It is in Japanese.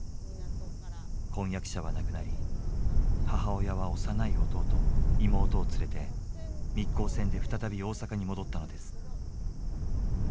婚約者は亡くなり母親は幼い弟妹を連れて密航船で再び大阪に戻ったのです。